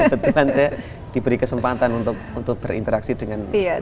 kebetulan saya diberi kesempatan untuk berinteraksi dengan orang lain